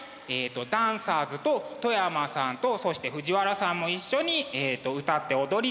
ダンサーズと外山さんとそして藤原さんも一緒に歌って踊り